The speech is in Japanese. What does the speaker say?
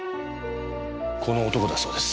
この男だそうです。